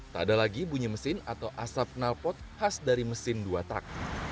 tak ada lagi bunyi mesin atau asap nalpot khas dari mesin dua tak